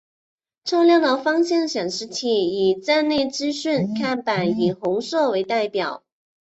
车辆的方向显示器与站内资讯看板以红色代表。